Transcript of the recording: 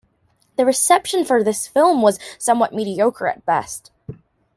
The reception for this film was somewhat mediocre at best.